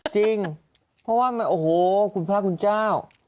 จริงเพราะว่าโอ้โหคุณพระคุณเจ้า